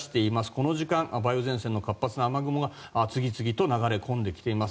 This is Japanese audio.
この時間梅雨前線の活発な雨雲が次々と流れ込んできています。